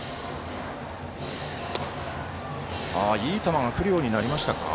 いい球がくるようになりましたか。